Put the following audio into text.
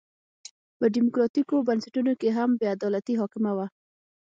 په ډیموکراټیکو بنسټونو کې هم بې عدالتي حاکمه وه.